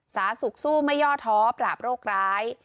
สาสุขสู้ไม่ย่อท้อปราบโรคร้าย